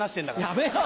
やめろ！